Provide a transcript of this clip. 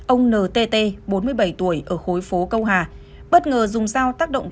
ông ntt bốn mươi bảy tuổi ở khối phố câu hà